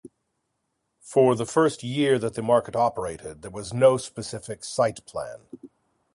For the first year that the market operated, there was no specific site plan.